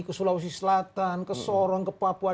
ke sulawesi selatan ke sorong ke papua